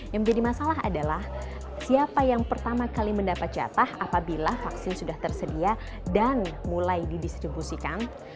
yang menjadi masalah adalah siapa yang pertama kali mendapat jatah apabila vaksin sudah tersedia dan mulai didistribusikan